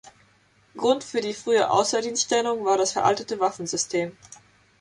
Grund für die frühe Außerdienststellung war das veraltete Waffensystem.